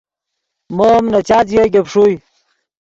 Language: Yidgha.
مو ام نے چات ژیو گیپ ݰوئے